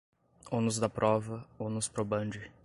ônus da prova, onus probandi